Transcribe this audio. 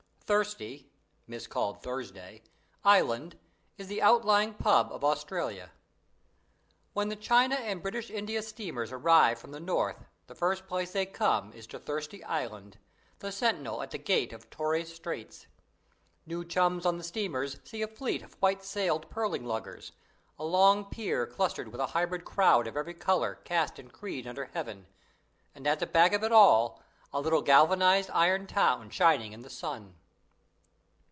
Thirsty (miscalled Thursday) Island is the outlying pub of Australia. When the China and British India steamers arrive from the North the first place they come to is Thirsty Island, the sentinel at the gate of Torres Straits. New chums on the steamers see a fleet of white sailed pearling luggers, a long pier clustered with a hybrid crowd of every colour, caste and creed under Heaven, and at the back of it all a little galvanized iron town shining in the sun.